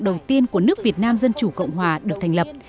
đầu tiên của nước việt nam dân chủ cộng hòa được thành lập